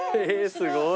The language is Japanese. すごい。